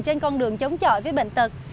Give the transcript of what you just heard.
nên con đường chống chọi với bệnh tật